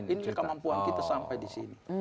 ini kemampuan kita sampai di sini